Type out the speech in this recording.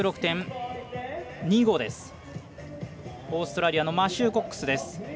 オーストラリアのマシュー・コックスです。